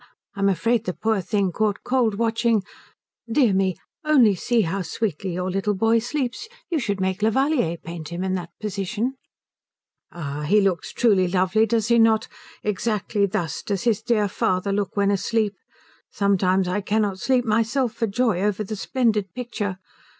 I'm afraid the poor thing caught cold watching dear me, only see how sweetly your little boy sleeps. You should make Levallier paint him in that position." "Ah, he looks truly lovely, does he not. Exactly thus does his dear father look when asleep. Sometimes I cannot sleep myself for joy over the splendid picture.